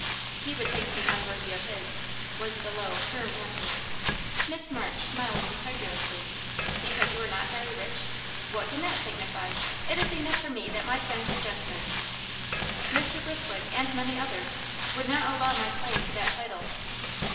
"He would think me unworthy of his," was the low, firm answer. Miss March smiled incredulously. "Because you are not very rich? What can that signify? It is enough for me that my friends are gentlemen." "Mr. Brithwood, and many others, would not allow my claim to that title."